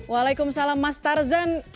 waalaikumsalam mas tarzan